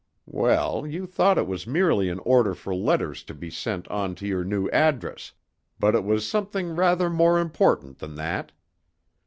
Well, you thought it was merely an order for letters to be sent on to your new address, but it was something rather more important than that.